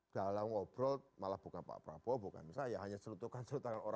dalam obrol malah bukan pak prabowo bukan saya hanya celetukan celetukan orang saja